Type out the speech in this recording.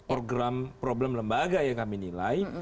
organ problem lembaga yang kami nilai